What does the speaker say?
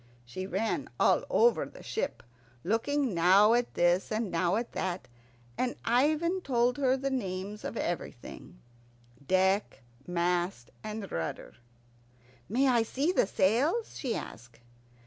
She ran all over the ship, looking now at this and now at that, and Ivan told her the names of everything deck, mast, and rudder. "May I see the sails?" she asked.